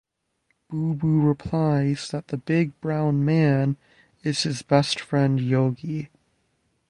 Boo Boo replies that the "big brown man" is his best friend Yogi.